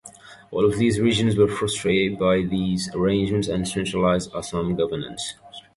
All of these regions were frustrated by these arrangements and centralized Assam governance.